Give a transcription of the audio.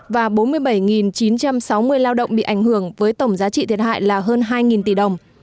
và bốn mươi bảy chín trăm sáu mươi lao động bị ảnh hưởng với tổng giá trị thiệt hại là hơn hai tỷ đồng